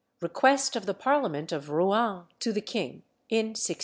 "REQUEST OF THE PARLIAMENT OF ROUEN TO THE KING, IN 1670.